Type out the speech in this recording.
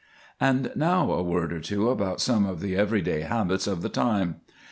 And now a word or two about some of the every day habits of the time.